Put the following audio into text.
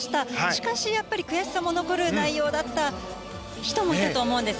しかしやっぱり悔しさも残る内容だった人もいると思います。